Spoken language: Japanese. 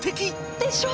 でしょ？